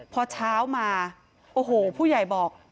พอเช้ามาโอ้โหผู้ใหญ่บอก